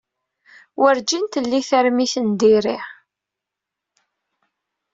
Werǧin tli tarmit n diri.